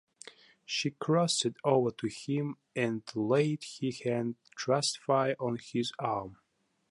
She crossed over to him and laid her hand trustfully on his arm.